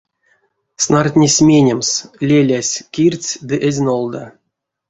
Снартнесь менемс, лелясь кирдсь ды эзь нолда.